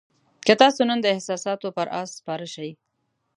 که تاسو نن د احساساتو پر آس سپاره شئ.